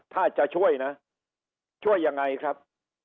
ถ้าจะช่วยนะช่วยยังไงครับ